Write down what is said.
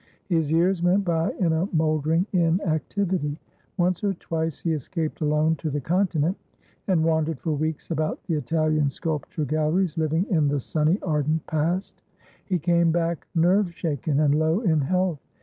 His years went by in a mouldering inactivity. Once or twice he escaped alone to the Continent, and wandered for weeks about the Italian sculpture galleries, living in the sunny, ardent past; he came back nerve shaken and low in health.